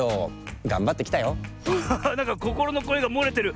こころのこえがもれてる。